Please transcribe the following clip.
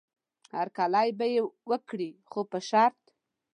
هرکلی به یې وکړي خو په شرط.